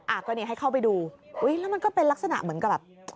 อ่ะก็นี่ให้เข้าไปดูอุ้ยแล้วมันก็เป็นลักษณะเหมือนกับแบบ